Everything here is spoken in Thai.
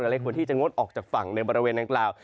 เล็กควรที่จะงดออกจากฝั่งในบริเวณดังกล่าว